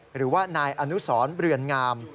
หรือว่านายอนุสรเรือนงาม